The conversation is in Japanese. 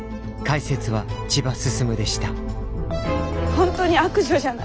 本当に悪女じゃない。